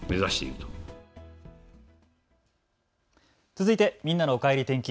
続いてみんなのおかえり天気。